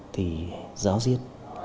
thì giáo diết